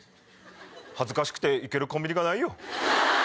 恥ずかしくて行けるコンビニがないよ。